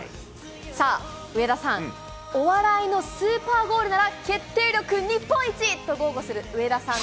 さあ、上田さん、お笑いのスーパーゴールなら決定力日本一と豪語する上田さん。